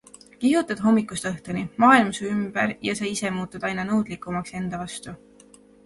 Kihutad hommikust õhtuni, maailm su ümber ja sa ise muutud aina nõudlikumaks enda vastu.